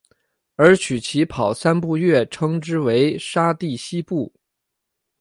而取其跑三步跃称之为沙蒂希步。